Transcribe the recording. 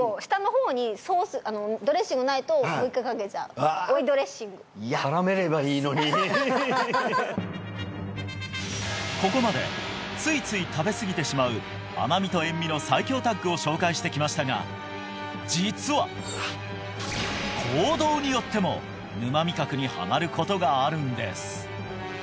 私は最後追いドレッシング絡めればいいのにここまでついつい食べすぎてしまう甘味と塩味の最凶タッグを紹介してきましたが実は行動によっても沼味覚にハマることがあるんです